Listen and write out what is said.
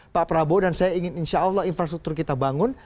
pak prabowo dan saya ingin insyaallah infrastruktur kita bangun